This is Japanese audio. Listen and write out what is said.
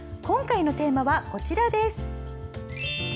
今回のテーマはこちらです。